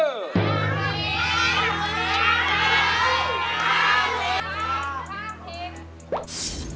๕ทิม